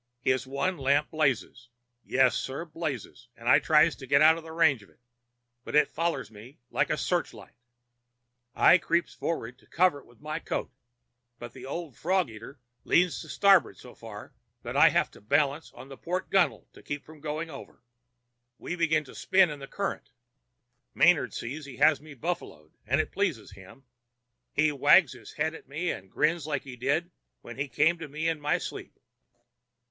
His one lamp blazes. Yes, sir, blazes! I tries to get out of range of it, but it follers me like a searchlight. I creeps forward to cover it up with my coat, but the old frog eater leans to starboard so far that I have to balance on the port gunnel to keep from going over. We begin to spin in the current. Manard sees he has me buffaloed, and it pleases him. He wags his head at me and grins like he did when he came to me in my sleep.